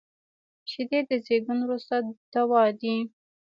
شیدې د زیږون وروسته دوا دي